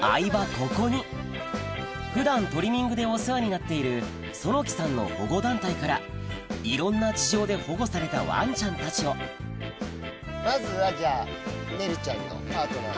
ここに普段トリミングでお世話になっている其木さんの保護団体からいろんな事情で保護されたワンちゃんたちをまずはじゃねるちゃんのパートナー。